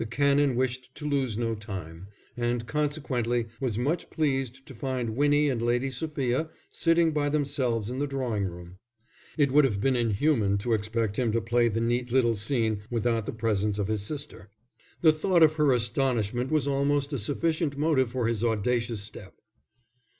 The Canon wished to lose no time, and consequently was much pleased to find Winnie and Lady Sophia sitting by themselves in the drawing room. It would have been inhuman to expect him to play the neat little scene without the presence of his sister. The thought of her astonishment was almost a sufficient motive for his audacious step.